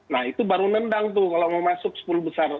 nah itu baru nendang tuh kalau mau masuk sepuluh besar